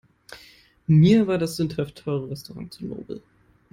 Mir war das sündhaft teure Restaurant zu nobel.